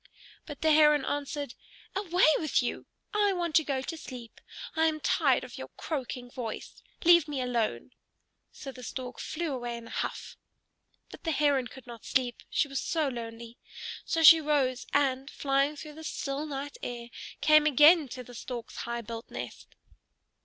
But the Heron answered, "Away with you! I want to go to sleep. I am tired of your croaking voice. Leave me alone!" So the Stork flew away in a huff. But the Heron could not sleep, she was so lonely. So she rose, and, flying through the still night air, came again to the Stork's high built nest.